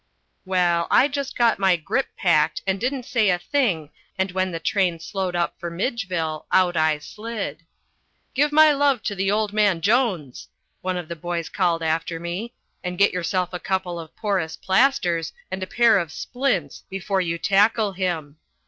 Well, I just got my grip packed and didn't say a thing and when the train slowed up for Midgeville, out I slid. "Give my love to old man Jones," one of the boys called after me, "and get yourself a couple of porous plasters and a pair of splints before you tackle him!"